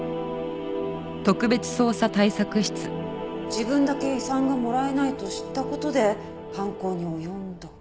自分だけ遺産がもらえないと知った事で犯行に及んだ。